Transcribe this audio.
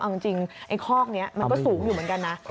เอาจริงไอ้คอกนี้มันก็สูงอยู่เหมือนกันนะ